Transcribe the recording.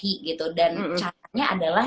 lagi gitu dan caranya adalah